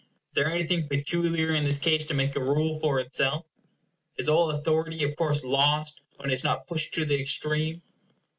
Is there anything peculiar in this case to make a rule for itself? Is all authority of course lost when it is not pushed to the extreme?